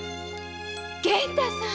源太さん！